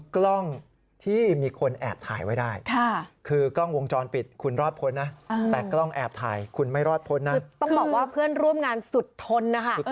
ต้องบอกว่าเพื่อนร่วมงานสุดทน